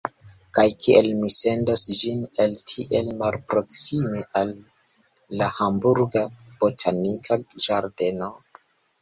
Kaj kiel mi sendos ĝin, el tiel malproksime, al la Hamburga Botanika Ĝardeno?